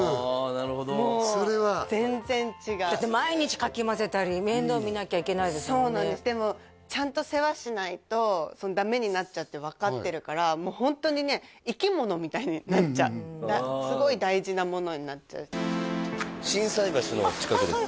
なるほどもう全然違うだって毎日かき混ぜたり面倒見なきゃいけないですもんねそうなんですでもちゃんと世話しないとダメになっちゃうって分かってるからもうホントにね生き物みたいになっちゃうすごい大事なものになっちゃう心斎橋の近くです